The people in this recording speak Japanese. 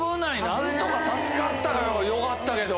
何とか助かったからよかったけど。